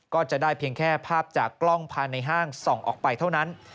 ก็จะได้เพียงแค่ภาพจากกล้องภายในห้างส่องออกไปเท่านั้น